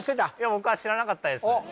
僕は知らなかったです